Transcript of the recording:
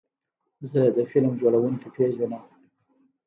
زه د فلم جوړونکي پیژنم.